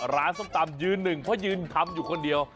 ร้านสบตำยืน๑เพราะยืนทำคนเดียว